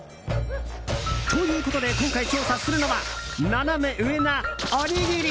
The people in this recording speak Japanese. ということで今回調査するのはナナメ上なおにぎり！